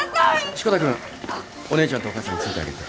志子田君お姉ちゃんとお母さんについてあげて。